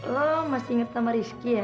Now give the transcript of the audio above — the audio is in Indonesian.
lo masih ingat sama rizky ya